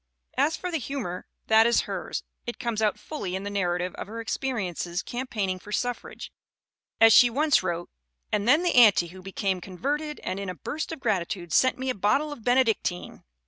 As for the humor that is hers, it comes out fully in the narrative of her experiences campaigning for suffrage. As she once wrote: "And then the anti who became converted and in a burst of gratitude sent me a bottle of Benedictine!